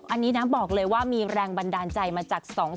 อันนี้นะบอกเลยว่ามีแรงบันดาลใจมาจาก๒๐